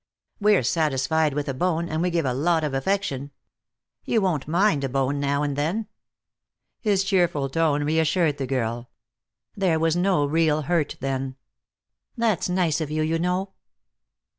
We're satisfied with a bone, and we give a lot of affection. You won't mind a bone now and then?" His cheerful tone reassured the girl. There was no real hurt, then. "That's nice of you, you know."